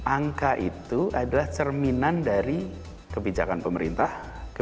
angka itu adalah cerminan dari kebijakan pemerintah